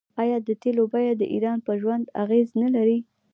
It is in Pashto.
آیا د تیلو بیه د ایران په ژوند اغیز نلري؟